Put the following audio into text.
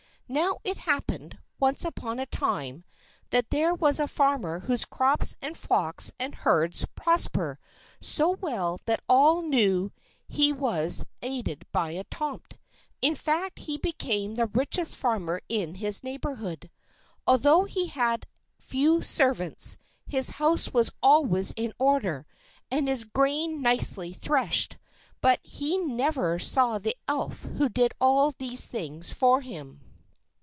Now, it happened, once upon a time, that there was a farmer whose crops and flocks and herds prospered so well that all knew he was aided by a Tomt. In fact he became the richest farmer in his neighbourhood. Although he had few servants, his house was always in order, and his grain nicely threshed. But he never saw the Elf who did all these things for him.